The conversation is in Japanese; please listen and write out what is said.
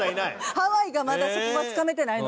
ハワイがまだそこがつかめてないので。